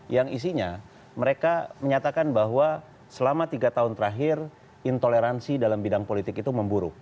yang isinya mereka menyatakan bahwa selama tiga tahun terakhir intoleransi dalam bidang politik itu memburuk